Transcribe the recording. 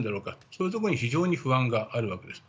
そういうところに非常に不安があるわけです。